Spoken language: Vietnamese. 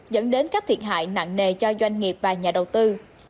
dẫn đến các thiệt hại nặng nề cho doanh nghiệp và nhà đầu tư